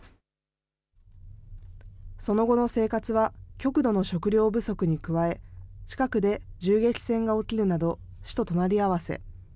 その後の生活は、極度の食料不足に加え、近くで銃撃戦が起きるなど、死と隣り合わせ。